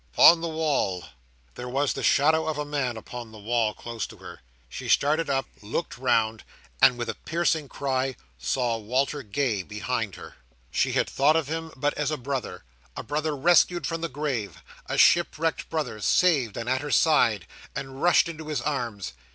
upon the wall!" There was the shadow of a man upon the wall close to her. She started up, looked round, and with a piercing cry, saw Walter Gay behind her! She had no thought of him but as a brother, a brother rescued from the grave; a shipwrecked brother saved and at her side; and rushed into his arms.